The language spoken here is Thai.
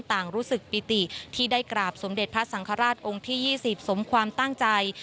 ต่างรู้สึกปิติที่ได้กราบสมเด็จพระสังฆราชองค์ที่๒๐สมความตั้งใจ